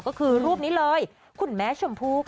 ก็คือรูปนี้เลยคุณแม่ชมพู่ค่ะ